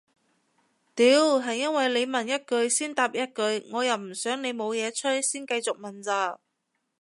屌係因為你問一句先答一句我又唔想你冇嘢吹先繼續問咋